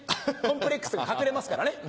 コンプレックスが隠れますからね。